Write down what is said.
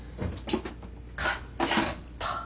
買っちゃった。